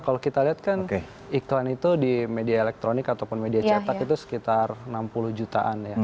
kalau kita lihat kan iklan itu di media elektronik ataupun media cetak itu sekitar enam puluh jutaan ya